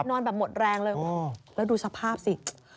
นอนแบบหมดแรงเลยแล้วดูสภาพสิ